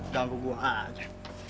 ganggu gue aja